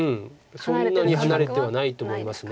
そんなに離れてはないと思います。